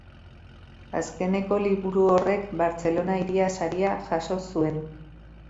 Azkeneko liburu horrek Bartzelona Hiria saria jaso zuen.